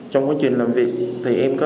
trong quá trình làm việc thì em có